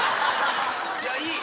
いやいい！